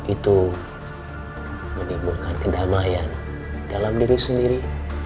itu menimbulkan kedamaian dalam diri sendiri